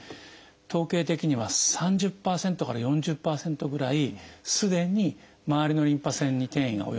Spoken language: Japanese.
統計的には３０％から４０％ぐらいすでにまわりのリンパ節に転移が及んでるんですね。